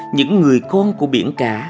những người con của biển cả